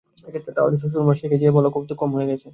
এক্ষেত্রে তাহলে, শ্বশুর মশাই কে যেয়ে বলো যৌতুক কম হয়ে গেছে।